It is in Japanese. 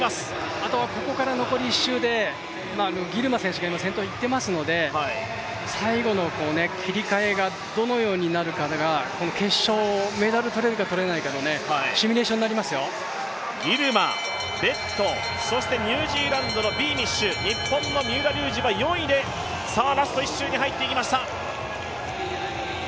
あとはここから残り１周でギルマ選手が先頭いっていますので最後の切り替えがどのようになるかが決勝、メダル取れるか取れないかのギルマ、ベット、ビーミッシュ、日本の三浦龍司は４位でラスト１周に入ってきました。